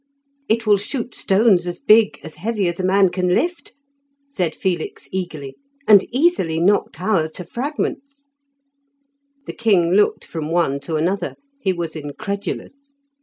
"It will shoot stones as big, as heavy as a man can lift," said Felix eagerly, "and easily knock towers to fragments." The king looked from one to another; he was incredulous.